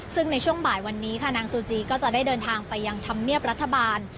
ซึ่งในช่วงบ่ายวันนี้ค่ะนางซูจีก็จะได้เดินทางไปยังธรรมเนียบรัฐบาล